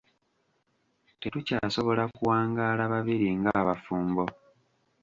Tetukyasobola kuwangaala babiri ng'abafumbo.